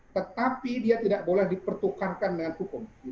tetapi dia tidak boleh dipertukarkan dengan hukum